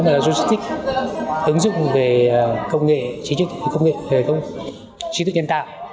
mà là logistic ứng dụng về công nghệ chí thức nhân tạo